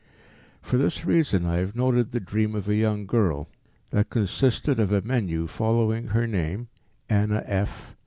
For this reason, I have noted the dream of a young girl, that consisted of a menu following her name (Anna F......